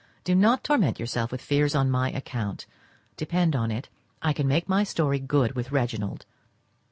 Do not torment yourself with fears on my account; depend on it, I can make my story good with Reginald.